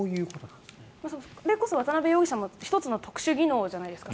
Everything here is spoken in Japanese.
それこそ渡邊容疑者も１つの特殊技能じゃないですか。